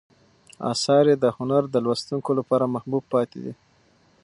آثار یې د هر نسل د لوستونکو لپاره محبوب پاتې دي.